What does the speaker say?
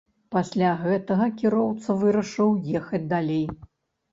Пасля гэтага кіроўца вырашыў ехаць далей.